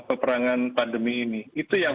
peperangan pandemi ini itu yang